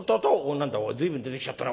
何だい随分出てきちゃったな。